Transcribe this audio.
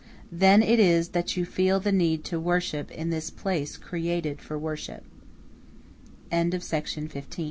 Then it is that you feel the need to worship in this place created for worship. The ancient Egyptians m